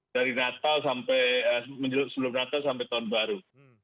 dari natal sampai sebelum natal sampai tahun baru